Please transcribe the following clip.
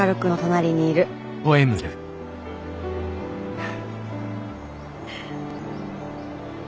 フッ。